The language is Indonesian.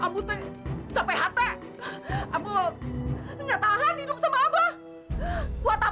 ambu gak tahan hidup sama abah